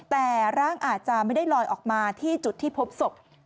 แต่ร่างอาจจะไม่ได้ลอยออกมาที่จุดที่พบศพ